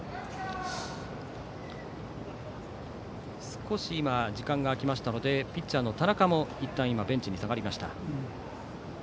少し今時間が空きましたのでピッチャーの田中もいったんベンチに下がりました。